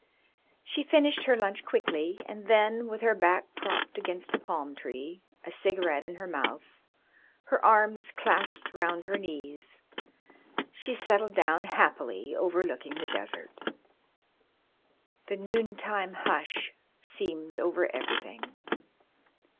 She finished her lunch quickly, and then, with her back propped against a palm tree, a cigarette in her mouth, her arms clasped round her knees, she settled down happily, overlooking the desert. The noontime hush seemed over everything.